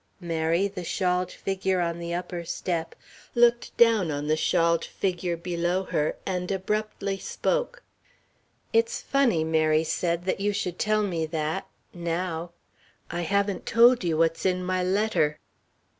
Mary, the shawled figure on the upper step, looked down on the shawled figure below her, and abruptly spoke. "It's funny," Mary said, "that you should tell me that now. I haven't told you what's in my letter."